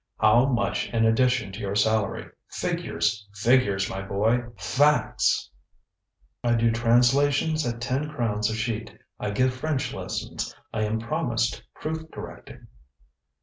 How much in addition to your salary? Figures! figures, my boy! Facts! ŌĆØ ŌĆ£I do translations at ten crowns a sheet; I give French lessons, I am promised proof correcting....